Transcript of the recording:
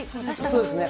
そうですね。